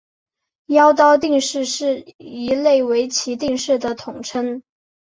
妖刀定式是一类围棋定式的统称。